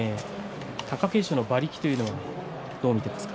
貴景勝の馬力というのをどう見ていますか。